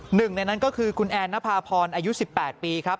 หนึ่งในนั้นก็คือคุณแอนนภาพรอายุ๑๘ปีครับ